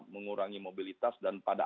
mengurangi mobilitas dan pada